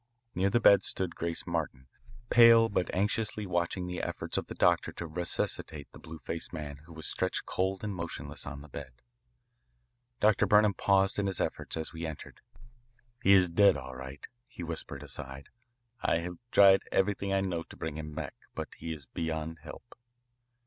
Near the bed stood Grace Martin, pale but anxiously watching the efforts of the doctor to resuscitate the blue faced man who was stretched cold and motionless on the bed. Dr. Burnham paused in his efforts as we entered. "He is dead, all right," he whispered, aside. "I have tried everything I know to bring him back, but he is beyond help."